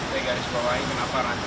saya garis kawaii mengapakan